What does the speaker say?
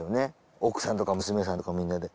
奥さんとか娘さんとかみんなで。